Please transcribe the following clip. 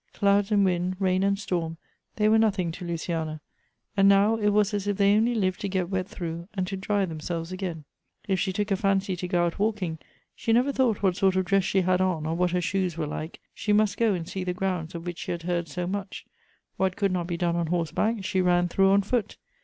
Clouds and wind, rain and storm, they were nothing to Luciana, and now it was as if they only lived to get wet through, and to dry themselves again. If she took a fancy to go out walking, she never thought what sort of dress she had on, or what her shoes were like, she must go and see the grounds of which she had heard so much ; what could not be done on horseback, she ran through on foot.